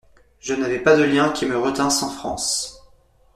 Je n'avais pas de liens qui me retinssent en France.